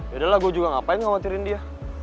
yaudahlah gue juga ngapain khawatirin dia